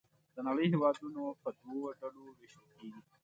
د نړۍ هېوادونه په دوه ډلو ویشل کیږي.